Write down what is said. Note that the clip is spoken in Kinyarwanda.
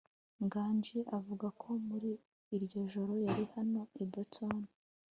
nganji avuga ko muri iryo joro yari hano i boston